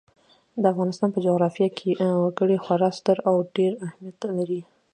د افغانستان په جغرافیه کې وګړي خورا ستر او ډېر اهمیت لري.